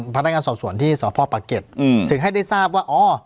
พนักงานสอบสวนที่สพปะเก็ตถึงให้ได้ทราบว่าอ๋อ